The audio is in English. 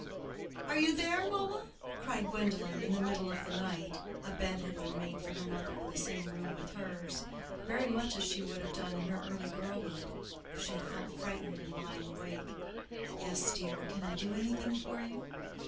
"Are you there, mamma?" cried Gwendolen, in the middle of the night (a bed had been made for her mother in the same room with hers), very much as she would have done in her early girlhood, if she had felt frightened in lying awake. "Yes, dear; can I do anything for you?"